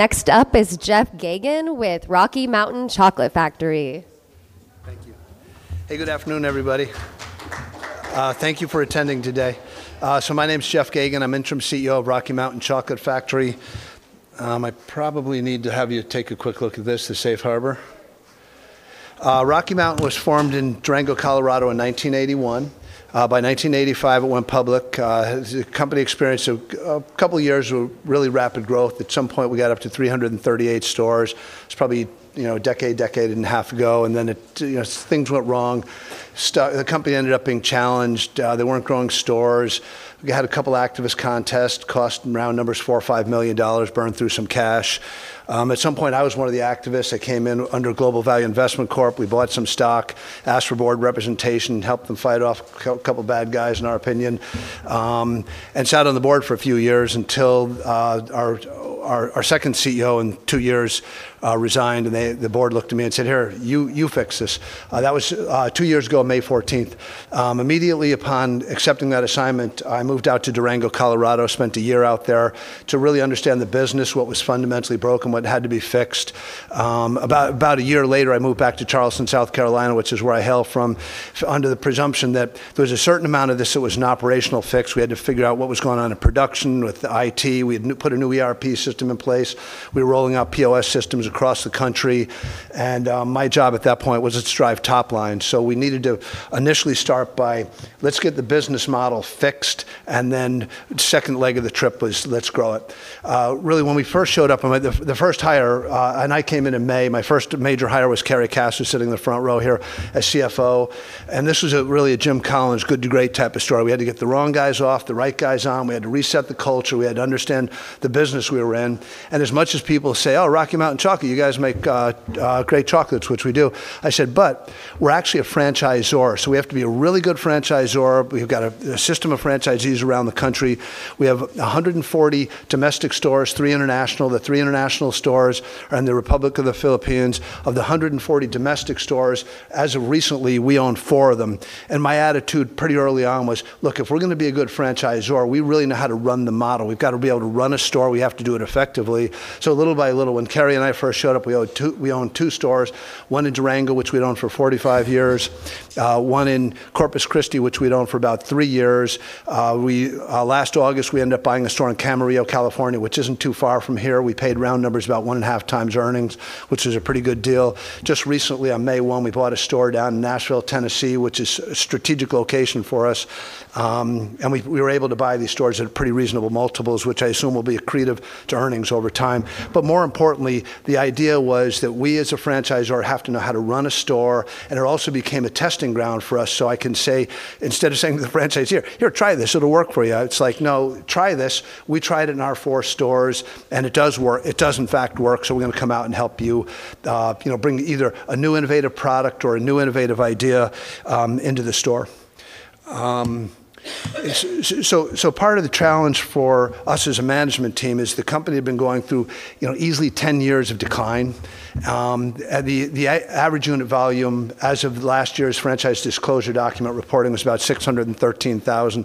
Next up is Jeff Geygan with Rocky Mountain Chocolate Factory. Thank you. Hey, good afternoon, everybody. Thank you for attending today. My name's Jeff Geygan. I'm Interim CEO of Rocky Mountain Chocolate Factory. I probably need to have you take a quick look at this, the safe harbor. Rocky Mountain was formed in Durango, Colorado in 1981. By 1985 it went public. The company experienced a couple of years of really rapid growth. At some point, we got up to 338 stores. It's probably, you know, a decade and a half ago, you know, things went wrong. The company ended up being challenged. They weren't growing stores. We had a couple activist contests, cost in round numbers, $4 million-$5 million, burned through some cash. At some point, I was one of the activists that came in under Global Value Investment Corp. We bought some stock, asked for board representation, helped them fight off a couple of bad guys, in our opinion, and sat on the board for a few years until our second CEO in two years resigned, and the board looked at me and said, "Here, you fix this." That was two years ago, May 14th. Immediately upon accepting that assignment, I moved out to Durango, Colorado, spent 1 year out there to really understand the business, what was fundamentally broken, what had to be fixed. About one year later, I moved back to Charleston, South Carolina, which is where I hail from, under the presumption that there was a certain amount of this that was an operational fix. We had to figure out what was going on in production with IT. We had put a new ERP system in place. We were rolling out POS systems across the country. My job at that point was to drive top line. We needed to initially start by let's get the business model fixed, and then the second leg of the trip was let's grow it. Really, when we first showed up, I made the first hire, and I came in in May. My first major hire was Carrie Cass, sitting in the front row here as CFO. This was a really a Jim Collins Good to Great type of story. We had to get the wrong guys off, the right guys on. We had to reset the culture. We had to understand the business we were in. As much as people say, "Oh, Rocky Mountain Chocolate, you guys make great chocolates," which we do. I said, "We're actually a franchisor, so we have to be a really good franchisor." We've got a system of franchisees around the country. We have 140 domestic stores, three international. The three international stores are in the Republic of the Philippines. Of the 140 domestic stores, as of recently, we own four of them. My attitude pretty early on was, look, if we're gonna be a good franchisor, we really know how to run the model. We've got to be able to run a store. We have to do it effectively. Little by little, when Carrie and I first showed up, we owned two stores, one in Durango, which we'd owned for 45 years, one in Corpus Christi, which we'd owned for about three years. Last August, we ended up buying a store in Camarillo, California, which isn't too far from here. We paid round numbers about one and a half times earnings, which is a pretty good deal. Just recently, on May 1, we bought a store down in Nashville, Tennessee, which is a strategic location for us. We were able to buy these stores at pretty reasonable multiples, which I assume will be accretive to earnings over time. More importantly, the idea was that we as a franchisor have to know how to run a store, and it also became a testing ground for us. I can say, instead of saying to the franchisee, "Here. Here, try this. It'll work for you," it's like, "No, try this. We tried it in our four stores, and it does work. It does in fact work. We're going to come out and help you know, bring either a new innovative product or a new innovative idea into the store." Part of the challenge for us as a management team is the company had been going through, you know, easily 10 years of decline. And the average unit volume as of last year's Franchise Disclosure Document reporting was about $613,000,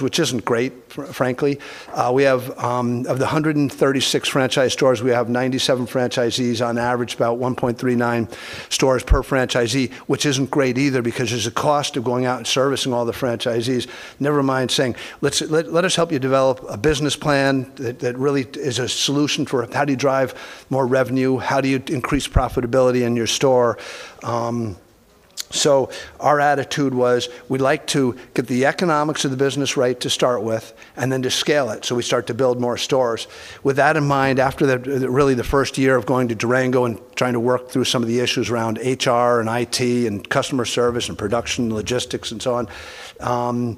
which isn't great frankly. Of the 136 franchise stores, we have 97 franchisees on average, about 1.39 stores per franchisee, which isn't great either because there's a cost of going out and servicing all the franchisees. Never mind saying, "Let us help you develop a business plan that really is a solution for how do you drive more revenue? How do you increase profitability in your store?" Our attitude was we'd like to get the economics of the business right to start with and then to scale it, so we start to build more stores. With that in mind, after the first year of going to Durango and trying to work through some of the issues around HR and IT and customer service and production, logistics, and so on,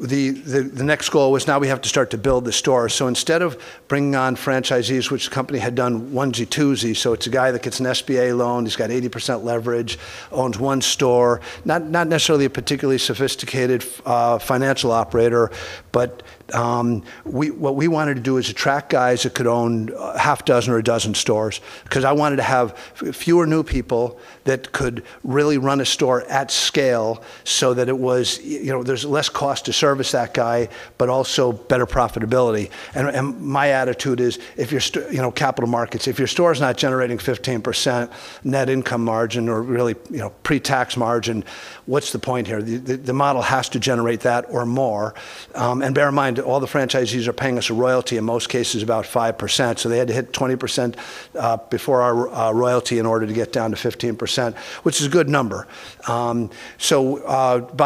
the next goal was now we have to start to build the stores. Instead of bringing on franchisees, which the company had done onesie-twosie, it's a guy that gets an SBA loan. He's got 80% leverage, owns one store. Not necessarily a particularly sophisticated financial operator, but what we wanted to do is attract guys that could own a half dozen or a dozen stores, because I wanted to have fewer new people that could really run a store at scale so that it was, you know, there's less cost to service that guy, but also better profitability. My attitude is, if your you know, capital markets, if your store's not generating 15% net income margin or really, you know, pre-tax margin, what's the point here? The model has to generate that or more. Bear in mind, all the franchisees are paying us a royalty, in most cases about 5%. They had to hit 20%, before our royalty in order to get down to 15%, which is a good number. By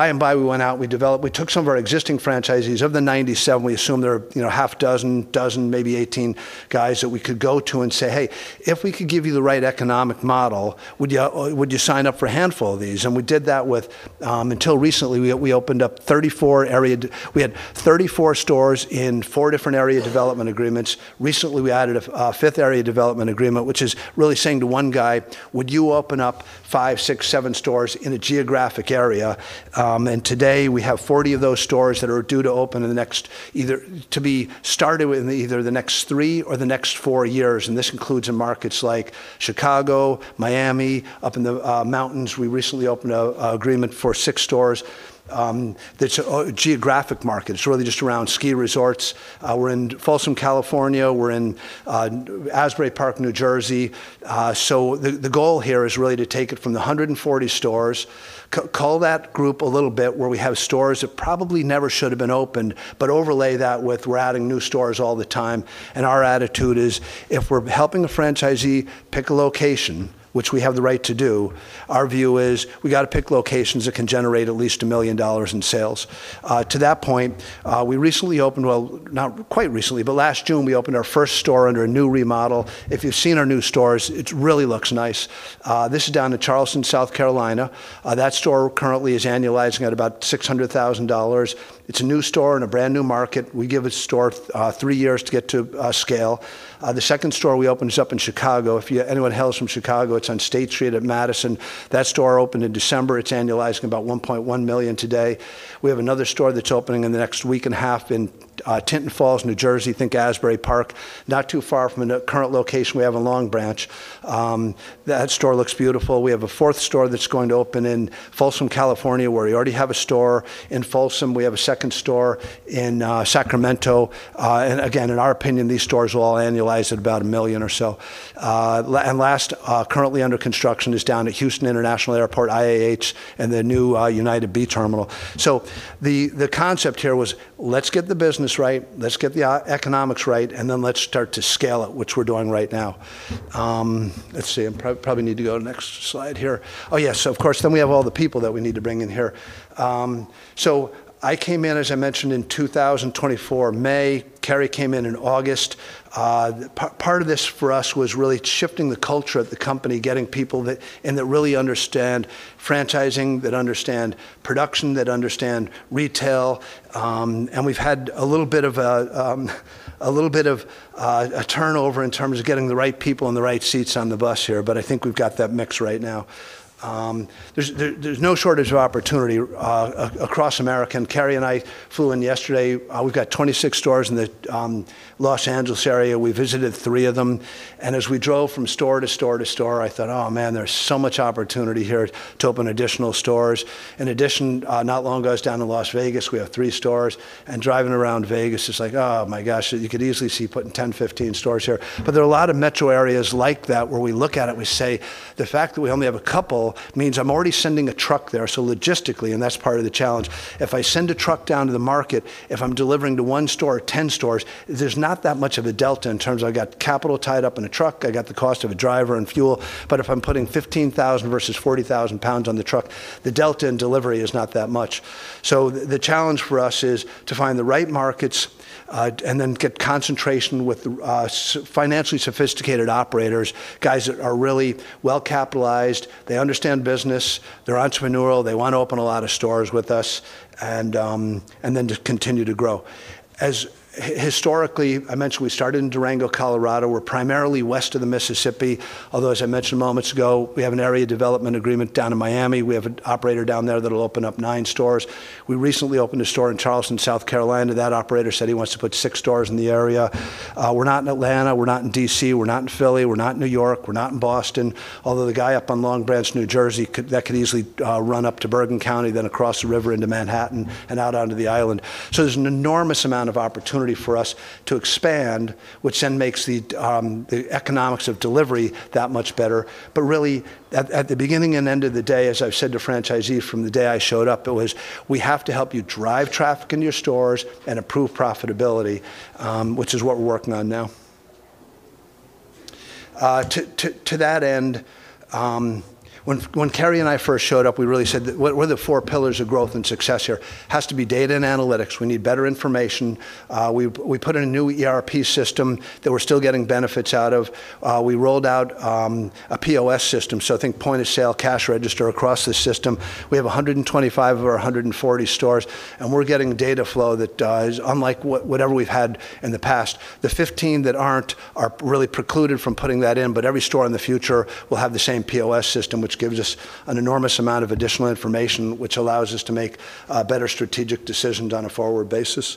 and by, we went out, and we took some of our existing franchisees. Of the 97, we assumed there are, you know, half dozen, maybe 18 guys that we could go to and say, "Hey, if we could give you the right economic model, would you sign up for a handful of these?" We did that with until recently, we had 34 stores in four different area development agreements. Recently, we added a fifth area development agreement, which is really saying to one guy, "Would you open up five, six, seven stores in a geographic area?" Today we have 40 of those stores that are due to open in the next to be started within either the next three or the next four years, and this includes in markets like Chicago, Miami. Up in the mountains, we recently opened a agreement for six stores. That's geographic markets, really just around ski resorts. We're in Folsom, California. We're in Asbury Park, New Jersey. The goal here is really to take it from the 140 stores, cull that group a little bit where we have stores that probably never should have been opened, overlay that with we're adding new stores all the time. Our attitude is, if we're helping a franchisee pick a location, which we have the right to do, our view is we gotta pick locations that can generate at least $1 million in sales. To that point, we recently opened Well, not quite recently, but last June, we opened our first store under a new remodel. If you've seen our new stores, it really looks nice. This is down in Charleston, South Carolina. That store currently is annualizing at about $600,000. It's a new store in a brand-new market. We give a store, three years to get to, scale. The second store we opened is up in Chicago. If anyone here is from Chicago, it's on State Street at Madison. That store opened in December. It's annualizing about $1.1 million today. We have another store that's opening in the next week and a half in, Tinton Falls, New Jersey, think Asbury Park, not too far from the current location we have in Long Branch. That store looks beautiful. We have a fourth store that's going to open in Folsom, California, where we already have a store in Folsom. We have a second store in Sacramento. Again, in our opinion, these stores will all annualize at about $1 million or so. Last, currently under construction is down at Houston International Airport, IAH, in the new United B Terminal. The concept here was, let's get the business right, let's get the economics right, let's start to scale it, which we're doing right now. Let's see. I probably need to go next slide here. Oh, yes. Of course, we have all the people that we need to bring in here. I came in, as I mentioned, in 2024, May. Carrie came in in August. Part of this for us was really shifting the culture of the company, getting people that really understand franchising, that understand production, that understand retail. We've had a little bit of a turnover in terms of getting the right people in the right seats on the bus here. I think we've got that mix right now. There's no shortage of opportunity across America. Carrie and I flew in yesterday. We've got 26 stores in the Los Angeles area. We visited three of them. As we drove from store to store to store, I thought, "Oh, man, there's so much opportunity here to open additional stores." In addition, not long ago, I was down in Las Vegas. We have three stores. Driving around Vegas, it's like, "Oh, my gosh, you could easily see putting 10, 15 stores here." There are a lot of metro areas like that where we look at it and we say, "The fact that we only have a couple means I'm already sending a truck there." Logistically, and that's part of the challenge, if I send a truck down to the market, if I'm delivering to one store or 10 stores, there's not that much of a delta in terms I've got capital tied up in a truck, I got the cost of a driver and fuel. If I'm putting 15,000 versus 40,000 pounds on the truck, the delta in delivery is not that much. The challenge for us is to find the right markets, then get concentration with financially sophisticated operators, guys that are really well-capitalized, they understand business, they're entrepreneurial, they want to open a lot of stores with us, just continue to grow. Historically, I mentioned we started in Durango, Colorado. We're primarily west of the Mississippi. As I mentioned moments ago, we have an area development agreement down in Miami. We have an operator down there that'll open up nine stores. We recently opened a store in Charleston, South Carolina. That operator said he wants to put 6 stores in the area. We're not in Atlanta. We're not in D.C. We're not in Philly. We're not in New York. We're not in Boston. Although the guy up on Long Branch, New Jersey, that could easily run up to Bergen County, then across the river into Manhattan and out onto the island. There's an enormous amount of opportunity for us to expand, which then makes the economics of delivery that much better. Really, at the beginning and end of the day, as I've said to franchisees from the day I showed up, it was, "We have to help you drive traffic into your stores and improve profitability," which is what we're working on now. To that end, when Carrie and I first showed up, we really said that what are the four pillars of growth and success here? Has to be data and analytics. We need better information. We put in a new ERP system that we're still getting benefits out of. We rolled out a POS system, so think point-of-sale cash register across the system. We have 125 of our 140 stores, and we're getting data flow that is unlike whatever we've had in the past. The 15 that aren't are really precluded from putting that in, but every store in the future will have the same POS system, which gives us an enormous amount of additional information, which allows us to make better strategic decisions on a forward basis.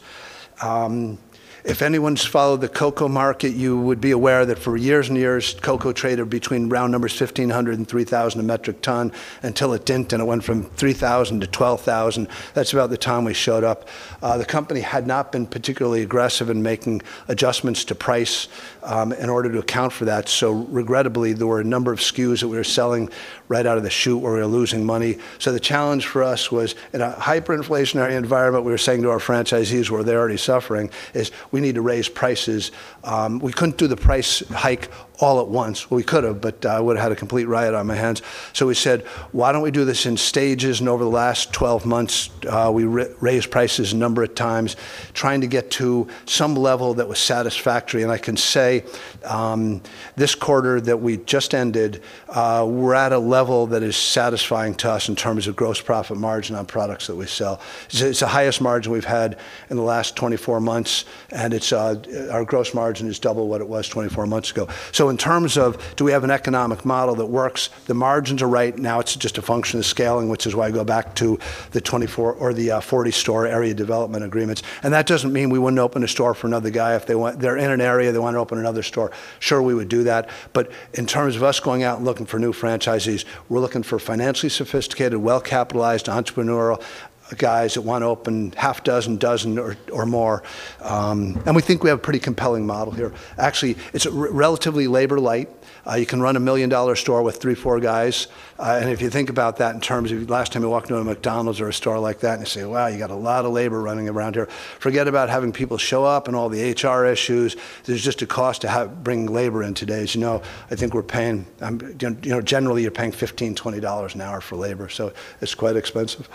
If anyone's followed the cocoa market, you would be aware that for years and years, cocoa traded between round numbers $1,500-$3,000 a metric ton until it didn't, and it went from $3,000-$12,000. That's about the time we showed up. The company had not been particularly aggressive in making adjustments to price in order to account for that. Regrettably, there were a number of SKUs that we were selling right out of the chute where we were losing money. The challenge for us was in a hyperinflationary environment, we were saying to our franchisees, where they're already suffering, is we need to raise prices. We couldn't do the price hike all at once. We could have, but I would've had a complete riot on my hands. We said, "Why don't we do this in stages?" Over the last 12 months, we raised prices a number of times trying to get to some level that was satisfactory. I can say, this quarter that we just ended, we're at a level that is satisfying to us in terms of gross profit margin on products that we sell. It's the highest margin we've had in the last 24 months, and our gross margin is double what it was 24 months ago. In terms of do we have an economic model that works, the margins are right. Now it's just a function of scaling, which is why I go back to the 24 or the 40-store area development agreements. That doesn't mean we wouldn't open a store for another guy if they're in an area, they want to open another store. Sure, we would do that. In terms of us going out and looking for new franchisees, we're looking for financially sophisticated, well-capitalized, entrepreneurial guys that want to open half dozen or more. We think we have a pretty compelling model here. Actually, it's relatively labor light. You can run a million-dollar store with three, four guys. If you think about that in terms of last time you walked into a McDonald's or a store like that, and you say, "Wow, you got a lot of labor running around here." Forget about having people show up and all the HR issues. There's just a cost to bringing labor in today. As you know, I think we're paying, you know, generally you're paying $15, $20 an hour for labor, so it's quite expensive.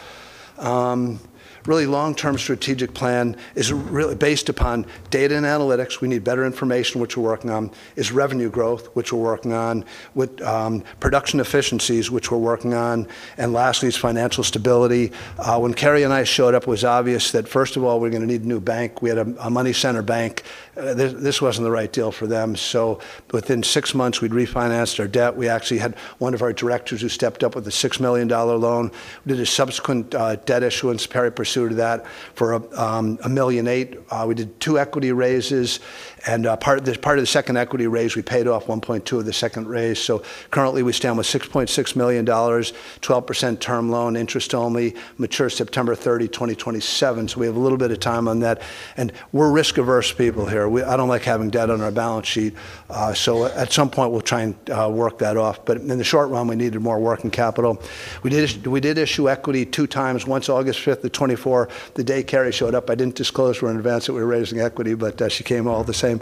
Really long-term strategic plan is really based upon data and analytics. We need better information, which we're working on. It's revenue growth, which we're working on, with production efficiencies, which we're working on. Lastly is financial stability. When Carrie and I showed up, it was obvious that first of all, we're going to need a new bank. We had a money center bank. This wasn't the right deal for them. Within six months we'd refinanced our debt. We actually had one of our directors who stepped up with a $6 million loan. We did a subsequent debt issuance, pari passu debt for $1.8 million. We did two equity raises. As part of the second equity raise, we paid off $1.2 of the second raise. Currently we stand with $6.6 million, 12% term loan interest only, matures September 30, 2027. We have a little bit of time on that, and we're risk-averse people here. I don't like having debt on our balance sheet. At some point we'll try and work that off. In the short run, we needed more working capital. We did issue equity two times. Once August 5, 2024, the day Carrie showed up. I didn't disclose we're in advance that we were raising equity, but she came all the same.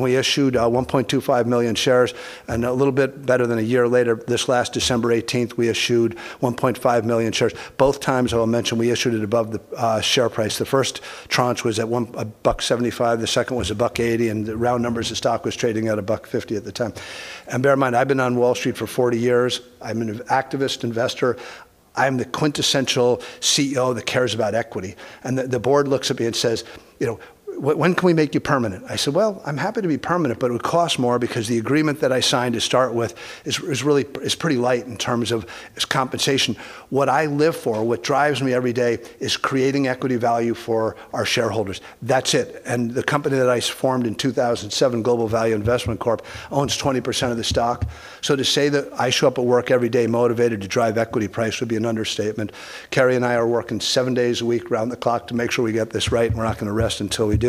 We issued 1.25 million shares and a little bit better than a year later, this last December 18, we issued 1.5 million shares. Both times I'll mention we issued it above the share price. The first tranche was at $1.75, the second was $1.80, the round numbers of stock was trading at $1.50 at the time. Bear in mind, I've been on Wall Street for 40 years. I'm an activist investor. I'm the quintessential CEO that cares about equity. The board looks at me and says, "You know, when can we make you permanent?" I said, "Well, I'm happy to be permanent, but it would cost more because the agreement that I signed to start with is really pretty light in terms of its compensation." What I live for, what drives me every day, is creating equity value for our shareholders. That's it. The company that I formed in 2007, Global Value Investment Corp, owns 20% of the stock. To say that I show up at work every day motivated to drive equity price would be an understatement. Carrie and I are working seven days a week around the clock to make sure we get this right, and we're not gonna rest until we do.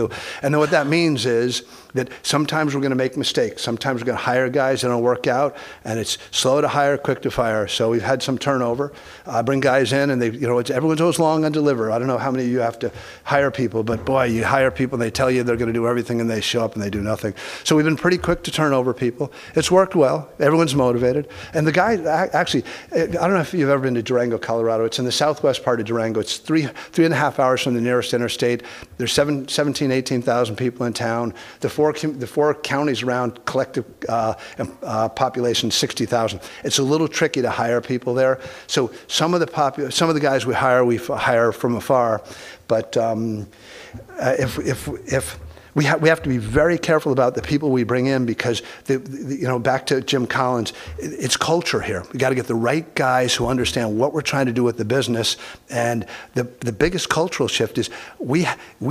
What that means is that sometimes we're gonna make mistakes. Sometimes we're gonna hire guys that don't work out, and it's slow to hire, quick to fire. We've had some turnover. I bring guys in. You know, it's everyone's always long on delivery. I don't know how many of you have to hire people, but boy, you hire people and they tell you they're gonna do everything, and they show up, and they do nothing. We've been pretty quick to turn over people. It's worked well. Everyone's motivated. Actually, I don't know if you've ever been to Durango, Colorado. It's in the southwest part of Durango. It's three and a half hours from the nearest interstate. There's 17,000-18,000 people in town. The four counties around collective population, 60,000. It's a little tricky to hire people there. Some of the guys we hire, we hire from afar. If we have to be very careful about the people we bring in because the, you know, back to Jim Collins, it's culture here. We gotta get the right guys who understand what we're trying to do with the business, the biggest cultural shift is we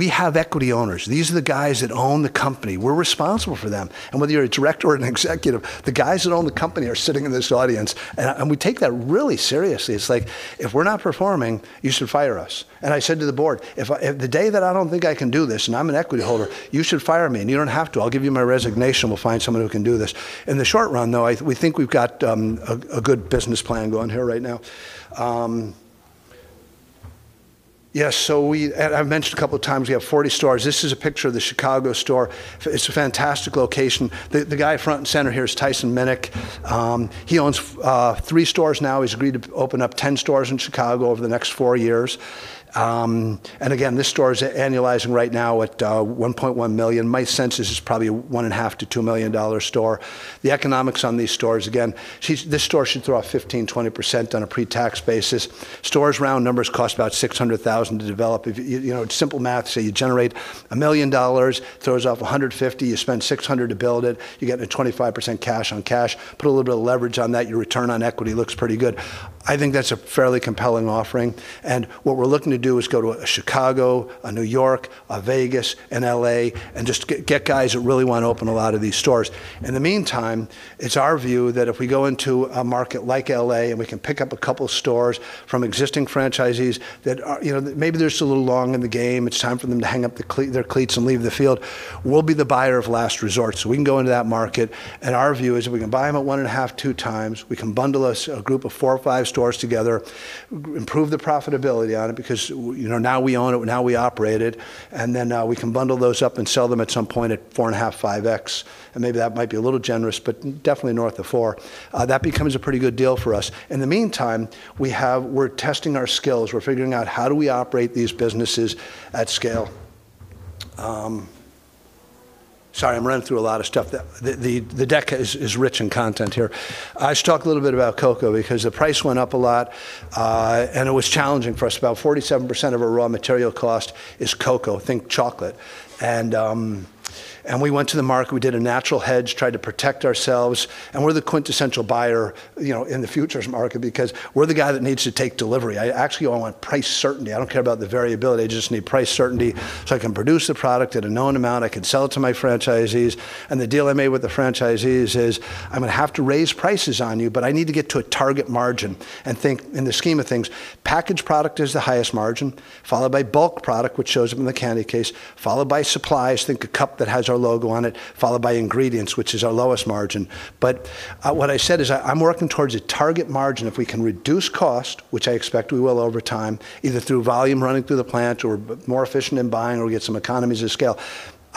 have equity owners. These are the guys that own the company. We're responsible for them. Whether you're a director or an executive, the guys that own the company are sitting in this audience, and we take that really seriously. It's like, if we're not performing, you should fire us. I said to the board, "If the day that I don't think I can do this, and I'm an equity holder, you should fire me, and you don't have to. I'll give you my resignation. We'll find someone who can do this." In the short run, though, we think we've got a good business plan going here right now. Yes. I've mentioned a couple of times we have 40 stores. This is a picture of the Chicago store. It's a fantastic location. The guy front and center here is Tyson Minnick. He owns three stores now. He's agreed to open up 10 stores in Chicago over the next four years. And again, this store is annualizing right now at $1.1 million. My sense is it's probably a $1.5 million-$2 million store. The economics on these stores, again, this store should throw off 15%-20% on a pre-tax basis. Stores, round numbers, cost about $600,000 to develop. If you know, it's simple math. You generate $1 million, throws off $150,000, you spend $600,000 to build it, you're getting a 25% cash on cash. Put a little bit of leverage on that, your return on equity looks pretty good. I think that's a fairly compelling offering, and what we're looking to do is go to a Chicago, a New York, a Vegas, an L.A., and just get guys that really wanna open a lot of these stores. In the meantime, it's our view that if we go into a market like L.A., and we can pick up a couple stores from existing franchisees that are, you know, maybe they're just a little long in the game, it's time for them to hang up their cleats and leave the field. We'll be the buyer of last resort. We can go into that market, and our view is if we can buy them at one and a half, two times, we can bundle a group of four or five stores together, improve the profitability on it because you know, now we own it, now we operate it, then we can bundle those up and sell them at some point at 4.5x. Maybe that might be a little generous, but definitely north of 4. That becomes a pretty good deal for us. In the meantime, we're testing our skills. We're figuring out how do we operate these businesses at scale? Sorry, I'm running through a lot of stuff. The deck is rich in content here. I should talk a little bit about cocoa because the price went up a lot, it was challenging for us. About 47% of our raw material cost is cocoa. Think chocolate. We went to the market, we did a natural hedge, tried to protect ourselves, and we're the quintessential buyer, you know, in the futures market because we're the guy that needs to take delivery. I actually want price certainty. I don't care about the variability. I just need price certainty so I can produce the product at a known amount, I can sell it to my franchisees, and the deal I made with the franchisees is, "I'm gonna have to raise prices on you, but I need to get to a target margin." Think, in the scheme of things, packaged product is the highest margin, followed by bulk product, which shows up in the candy case, followed by supplies, think a cup that has our logo on it, followed by ingredients, which is our lowest margin. What I said is I'm working towards a target margin. If we can reduce cost, which I expect we will over time, either through volume running through the plant or more efficient in buying, or we get some economies of scale,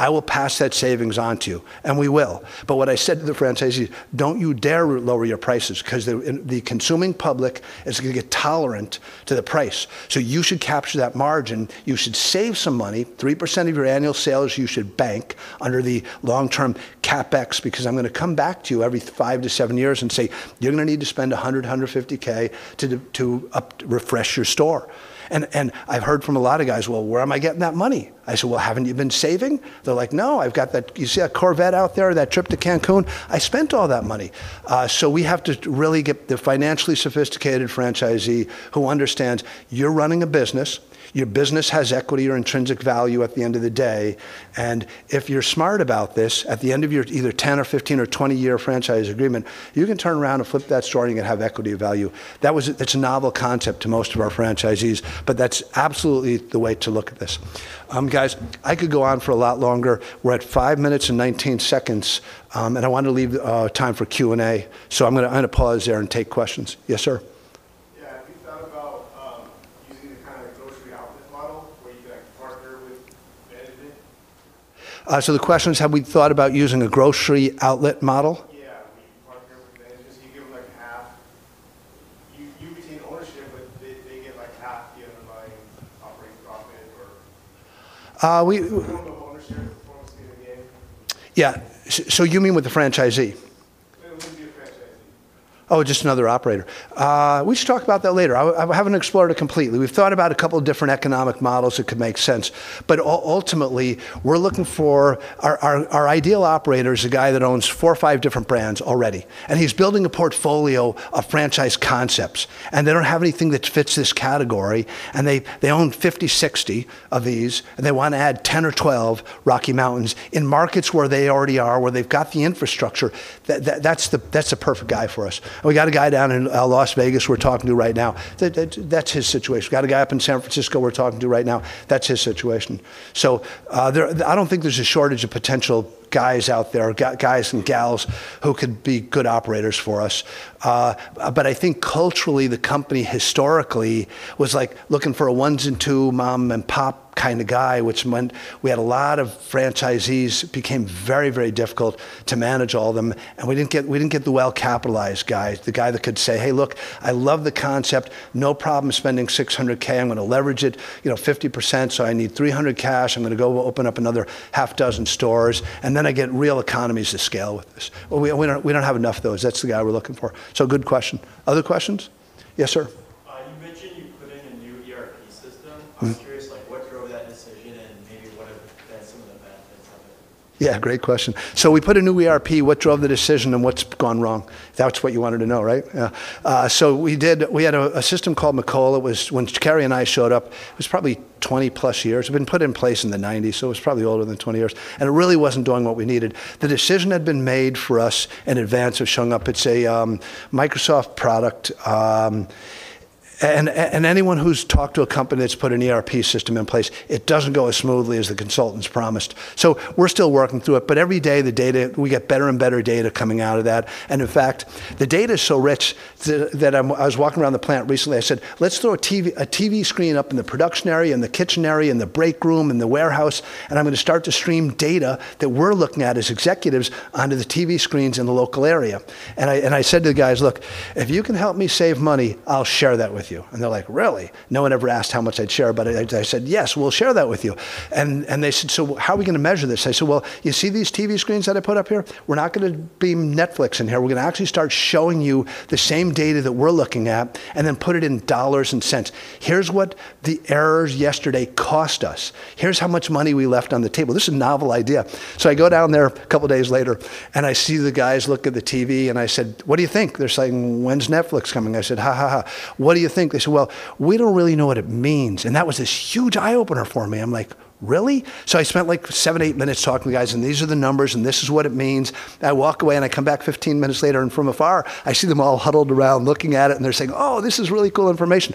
I will pass that savings on to you, and we will. What I said to the franchisees, "Don't you dare lower your prices 'cause the consuming public is going to get tolerant to the price. You should capture that margin. You should save some money. 3% of your annual sales you should bank under the long-term CapEx because I'm going to come back to you every five to seven years and say, 'You're going to need to spend $100,000-$150,000 to refresh your store.'" I've heard from a lot of guys, "Well, where am I getting that money?" I said, "Well, haven't you been saving?" They're like, "No, I've got that. You see that Corvette out there, that trip to Cancun? I spent all that money." We have to really get the financially sophisticated franchisee who understands you're running a business, your business has equity or intrinsic value at the end of the day, and if you're smart about this, at the end of your either 10 or 15 or 20-year franchise agreement, you can turn around and flip that story and you can have equity of value. That's a novel concept to most of our franchisees, but that's absolutely the way to look at this. Guys, I could go on for a lot longer. We're at five minutes and 19 seconds, and I want to leave time for Q&A, so I'm gonna pause there and take questions. Yes, sir? Yeah. Have you thought about using a kind of grocery outlet model where you, like, partner with management? The question is, have we thought about using a grocery outlet model? Where you partner with managers. You give them, like, half. You retain ownership, they get, like, half the underlying operating profit. We— You can build the ownership performance in the game. Yeah. You mean with the franchisee? It wouldn't be a franchisee. Just another operator. We should talk about that later. I haven't explored it completely. We've thought about a couple different economic models that could make sense, but ultimately, we're looking for Our ideal operator is a guy that owns four or five different brands already, and he's building a portfolio of franchise concepts, and they don't have anything that fits this category, and they own 50, 60 of these, and they want to add 10 or 12 Rocky Mountains in markets where they already are, where they've got the infrastructure. That's the perfect guy for us. We got a guy down in Las Vegas we're talking to right now. That's his situation. Got a guy up in San Francisco we're talking to right now. That's his situation. There I don't think there's a shortage of potential guys out there, guys and gals who could be good operators for us. But I think culturally, the company historically was, like, looking for a ones and two mom and pop kind of guy, which meant we had a lot of franchisees. Became very, very difficult to manage all them, and we didn't get the well-capitalized guy, the guy that could say, "Hey, look, I love the concept. No problem spending $600,000. I'm going to leverage it, you know, 50%, so I need $300 cash. I'm going to go open up another half dozen stores, and then I get real economies to scale with this." Well, we don't have enough of those. That's the guy we're looking for. Good question. Other questions? Yes, sir. You mentioned you put in a new ERP system. I'm curious, like, what drove that decision and maybe what have been some of the benefits of it? Yeah, great question. We put a new ERP. What drove the decision and what's gone wrong? That's what you wanted to know, right? Yeah. We did, we had a system called Macola. It was, when Carrie and I showed up, it was probably 20+ years. It'd been put in place in the nineties, so it was probably older than 20 years, and it really wasn't doing what we needed. The decision had been made for us in advance of showing up. It's a Microsoft product, and anyone who's talked to a company that's put an ERP system in place, it doesn't go as smoothly as the consultants promised. We're still working through it, but every day, the data, we get better and better data coming out of that. In fact, the data is so rich that I was walking around the plant recently, I said, "Let's throw a TV, a TV screen up in the production area, in the kitchen area, in the break room, in the warehouse, and I'm gonna start to stream data that we're looking at as executives onto the TV screens in the local area." I said to the guys, "Look, if you can help me save money, I'll share that with you." They're like, "Really?" No one ever asked how much I'd share, I said, "Yes, we'll share that with you." They said, "So how are we gonna measure this?" I said, "Well, you see these TV screens that I put up here? We're not gonna beam Netflix in here. We're gonna actually start showing you the same data that we're looking at, and then put it in dollars and cents. Here's what the errors yesterday cost us. Here's how much money we left on the table." This is a novel idea. I go down there a couple of days later, and I see the guys look at the TV, and I said, "What do you think?" They're saying, "When's Netflix coming?" I said, "Ha ha ha. What do you think?" They said, "Well, we don't really know what it means." That was this huge eye-opener for me. I'm like, "Really?" I spent like seven, eight minutes talking to the guys, and these are the numbers, and this is what it means. I walk away, and I come back 15 minutes later, and from afar, I see them all huddled around looking at it, and they're saying, "Oh, this is really cool information."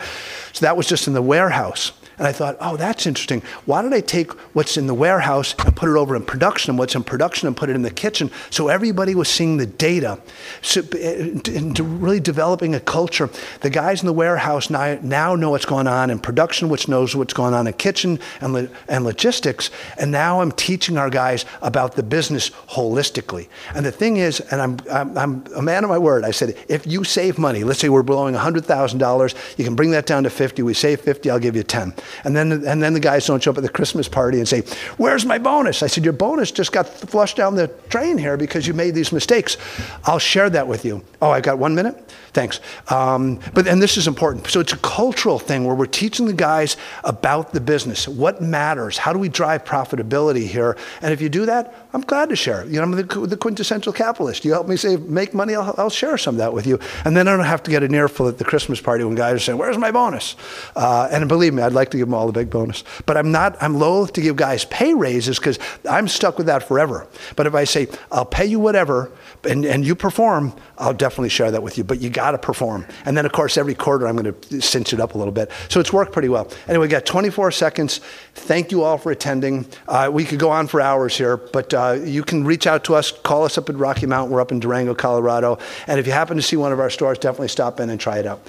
That was just in the warehouse. I thought, "Oh, that's interesting. Why don't I take what's in the warehouse and put it over in production and what's in production and put it in the kitchen?" Everybody was seeing the data into really developing a culture. The guys in the warehouse now know what's going on in production, which knows what's going on in kitchen and logistics, and now I'm teaching our guys about the business holistically. The thing is, I'm a man of my word, I said, "If you save money, let's say we're blowing $100,000, you can bring that down to $50,000, we save $50,000, I'll give you $10,000." The guys don't show up at the Christmas party and say, "Where's my bonus?" I said, "Your bonus just got flushed down the drain here because you made these mistakes. I'll share that with you." I've got one minute? Thanks. This is important. It's a cultural thing where we're teaching the guys about the business. What matters? How do we drive profitability here? If you do that, I'm glad to share. You know, I'm the quintessential capitalist. You help me save, make money, I'll share some of that with you. I don't have to get an earful at the Christmas party when guys are saying, "Where's my bonus?" Believe me, I'd like to give them all a big bonus. I'm loathe to give guys pay raises 'cause I'm stuck with that forever. If I say, "I'll pay you whatever, and you perform, I'll definitely share that with you," but you gotta perform. Of course, every quarter I'm gonna cinch it up a little bit. It's worked pretty well. Anyway, got 24 seconds. Thank you all for attending. We could go on for hours here, you can reach out to us. Call us up at Rocky Mountain. We're up in Durango, Colorado. If you happen to see one of our stores, definitely stop in and try it out.